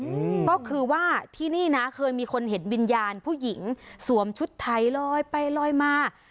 อืมก็คือว่าที่นี่นะเคยมีคนเห็นวิญญาณผู้หญิงสวมชุดไทยลอยไปลอยมา